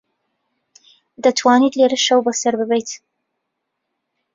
دەتوانیت لێرە شەو بەسەر ببەیت.